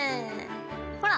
ほら！